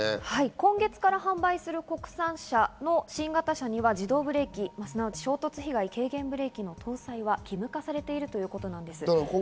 今月から販売する国産車の新型車には自動ブレーキ、衝突被害軽減ブレーキの搭載が義務化されているということです。